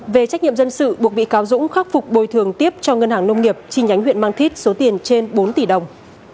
về trách nhiệm dân sự buộc bị cáo dũng khắc phục bồi thường tiếp cho ngân hàng nông nghiệp chi nhánh huyện mang thít số tiền trên bốn tỷ đồng